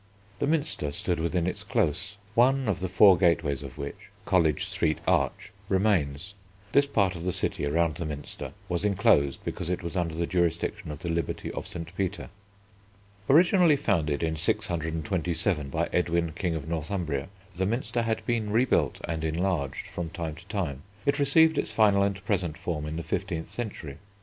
The Minster stood within its Close, one of the four gateways of which, College Street Arch, remains. This part of the city around the Minster was enclosed because it was under the jurisdiction of the Liberty of St. Peter. [Illustration: BISHOP AND CANONS. From Richard II.'s "Book of Hours."] Originally founded in 627 by Edwin, King of Northumbria, the Minster had been rebuilt and enlarged from time to time. It received its final and present form in the fifteenth century.